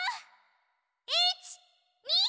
１！２！